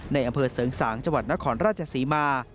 ในอำเภอเสริงสางจังหวัดนครราชศรีมา